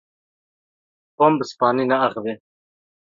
Tom bi Spanî naaxive.